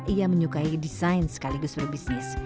ia menyukai desain sekaligus berbisnis